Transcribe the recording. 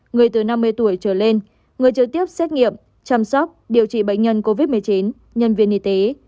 người từ năm mươi tuổi trở lên người trực tiếp xét nghiệm chăm sóc điều trị bệnh nhân covid một mươi chín nhân viên y tế